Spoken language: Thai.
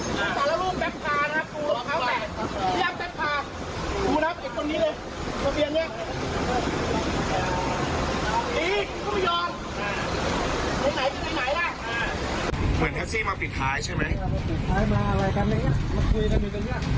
สารรูปกาแพจนับตรวจตรวจตีกี่ทำไม